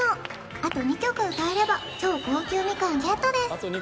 あと２曲歌えれば超高級みかんゲットです